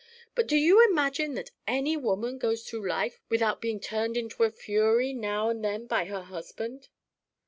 But do you imagine that any woman goes through life without being turned into a fury now and then by her husband?"